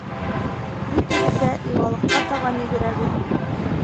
Бөтәбеҙ ҙә йыуалыҡҡа табан йүгерәбеҙ: